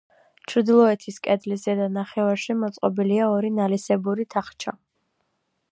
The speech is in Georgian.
ჩრდილოეთის კედლის ზედა ნახევარში მოწყობილია ორი ნალისებური თახჩა.